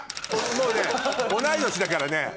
もうね同い年だからね